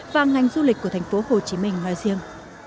và ngành du lịch của thành phố hồ chí minh nói riêng